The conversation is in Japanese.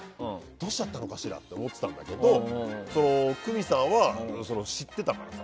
どうしちゃったのかしらって思ってたんだけど、久美さんは知ってたからさ。